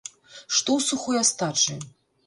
Што ў сухой астачы?